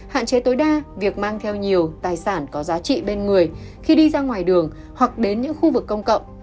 hạn chế tối đa việc mang theo nhiều tài sản có giá trị bên người khi đi ra ngoài đường hoặc đến những khu vực công cộng